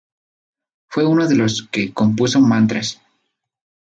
Fue uno de los que compuso "mantras".